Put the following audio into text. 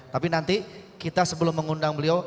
tapi nanti kita sebelum mengundang beliau